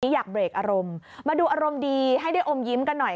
อยากเบรกอารมณ์มาดูอารมณ์ดีให้ได้อมยิ้มกันหน่อย